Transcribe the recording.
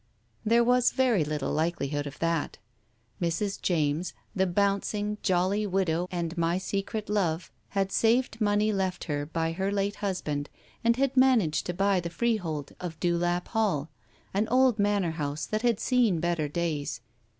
There was very little likelihood of that. Mrs. James, the bouncing, jolly widow and my secret love, had saved money left her by her late husband and had managed to buy the freehold of Dewlap Hall, an old manor house that had seen better days.